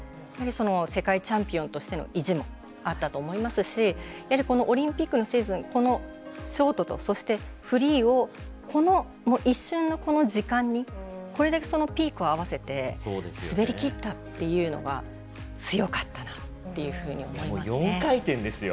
やっぱり世界チャンピオンとしての意地もあったと思いますしやはりこのオリンピックのシーズンこのショートとそしてフリーをこの一瞬の、この時間にこれだけそのピークを合わせて滑りきったというのが強かったなっていうふうに思います。